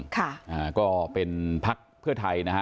ก็เป็นภัคดิ์เผื่อไทยนะฮะ